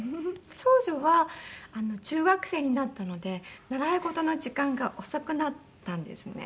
長女は中学生になったので習い事の時間が遅くなったんですね。